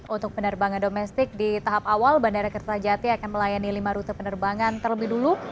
untuk penerbangan domestik di tahap awal bandara kertajati akan melayani lima rute penerbangan terlebih dulu